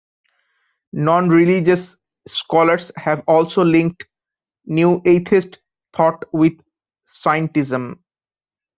Non-religious scholars have also linked New Atheist thought with scientism.